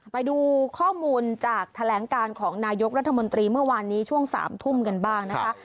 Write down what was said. ไปดูข้อมูลจากแถลงการของนายกรัฐมนตรีเมื่อวานนี้ช่วง๓ทุ่มกันบ้างนะคะ